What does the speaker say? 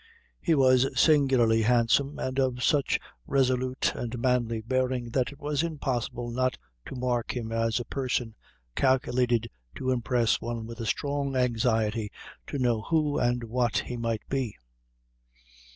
He was singularly handsome, and of such resolute and manly bearing, that it was impossible not to mark him as a person calculated to impress one with a strong anxiety to know who and what he might be.